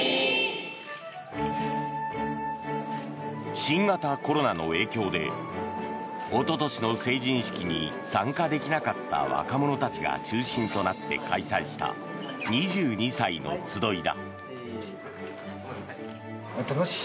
新型コロナの影響でおととしの成人式に参加できなかった若者たちが中心となって開催した２２歳の集いだ。